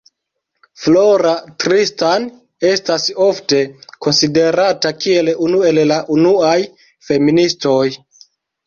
Flora Tristan estas ofte konsiderata kiel unu el la unuaj feministoj.